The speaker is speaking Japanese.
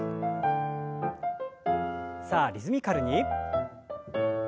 さあリズミカルに。